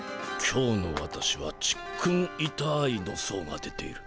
今日の私はちっくんいたーいの相が出ている。